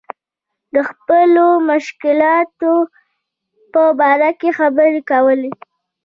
د خپلو مشکلاتو په باره کې خبرې کول.